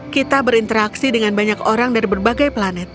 kita berinteraksi dengan banyak orang dari berbagai planet